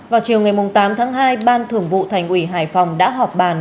vào chiều ngày tám tháng hai ban thưởng vụ thành ủy hải phòng đã họp bàn